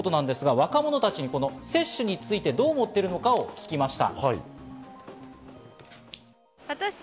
若者たちに接種についてどう思っているのかを聞きました。